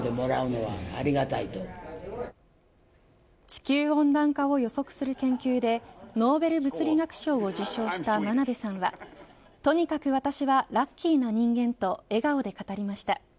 地球温暖化を予測する研究でノーベル物理学賞を受賞した真鍋さんはとにかく私はラッキーな人間と笑顔で語りました。